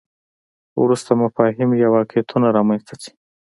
وروسته مفاهیم یا واقعیتونه رامنځته شي.